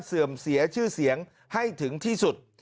เสื่อมเสียชื่อเสียงให้ถึงที่สุด